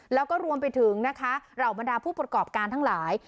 แล้วก็รวมไปถึงนะคะเหล่าบรรดาผู้ประกอบการทั้งหลาย